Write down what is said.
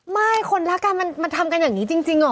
ไม่คนรักกันมันทำกันอย่างนี้จริงเหรอ